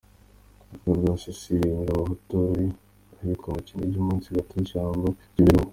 Urugo rwa Cecile Nyirabahutu ruri ahitwa mu Kinigi munsi gato y'ishyamba ry'ibirunga .